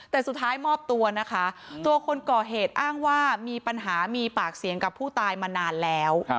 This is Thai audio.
แต่สุดท้ายมอบตัวนะคะตัวคนก่อเหตุอ้างว่ามีปัญหามีปากเสียงกับผู้ตายมานานแล้ว